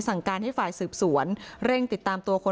บางนัดเคยมีประวัติเกี่ยวข้องกับยาเสพติด